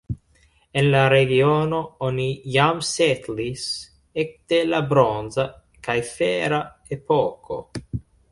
En la regiono oni jam setlis ekde la bronza kaj fera epoko.